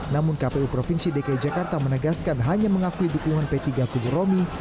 namun kpu provinsi dki jakarta menegaskan hanya mengakui dukungan p tiga kubu romi